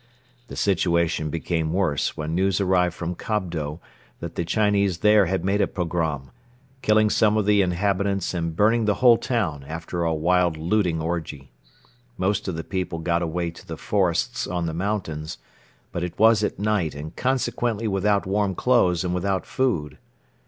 The situation became worse when news arrived from Kobdo that the Chinese there had made a pogrom, killing some of the inhabitants and burning the whole town after a wild looting orgy. Most of the people got away to the forests on the mountains but it was at night and consequently without warm clothes and without food.